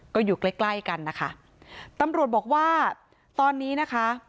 ก็อยู่ใกล้ใกล้กันนะคะตำรวจบอกว่าตอนนี้นะคะ